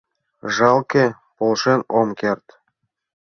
Жалке, полшен ом керт.